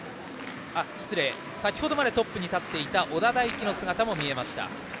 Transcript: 失礼、先程までトップに立っていた小田大樹の姿も見えました。